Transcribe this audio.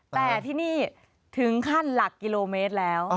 แต่ที่นี่ถึงขั้นหลักกิโลเมตรแล้ว